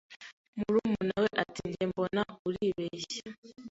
Murumunawe ati: "Njye mbona, uribeshya."